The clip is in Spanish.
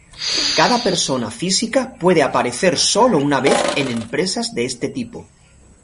Cada persona física puede aparecer sólo una vez en empresas de este tipo.